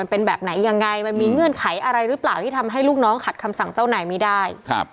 เป็นแบบไหนยังไงมันมีเงื่อนไขอะไรหรือเปล่าที่ทำให้ลูกน้องขัดคำสั่งเจ้านายไม่ได้